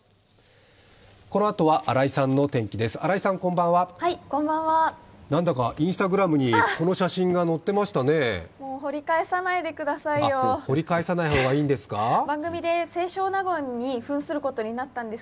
このあとは新井さんの天気です。